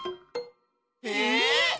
え？